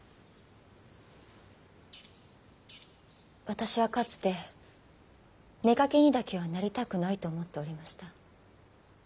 私はかつて妾にだけはなりたくないと思っておりました。